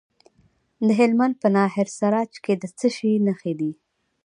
د هلمند په ناهري سراج کې د څه شي نښې دي؟